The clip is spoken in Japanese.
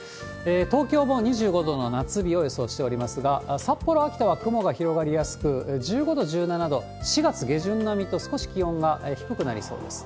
東京も２５度の夏日を予想しておりますが、札幌、秋田は雲が広がりやすく、１５度、１７度、４月下旬並みと、少し気温が低くなりそうです。